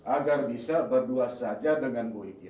agar bisa berdua saja dengan bu ikin